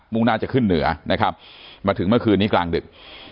่งหน้าจะขึ้นเหนือนะครับมาถึงเมื่อคืนนี้กลางดึก